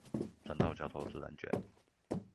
船到橋頭自然捲